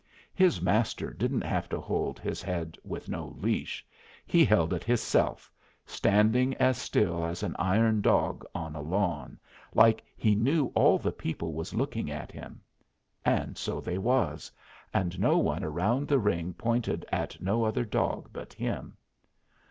His master didn't have to hold his head with no leash. He held it hisself, standing as still as an iron dog on a lawn, like he knew all the people was looking at him. And so they was, and no one around the ring pointed at no other dog but him.